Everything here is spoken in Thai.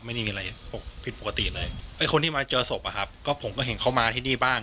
ไม่ได้มีอะไรผิดปกติเลยไอ้คนที่มาเจอศพอะครับก็ผมก็เห็นเขามาที่นี่บ้าง